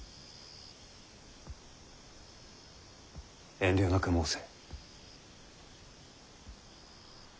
遠慮なく申せ。